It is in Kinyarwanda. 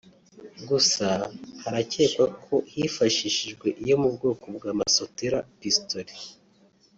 gusa harakekwa ko hifashishijwe iyo mu bwoko bwa masotera (Pistol)